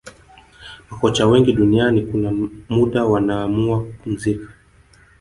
makocha wengi duniani kuna muda wanaamua kupumzika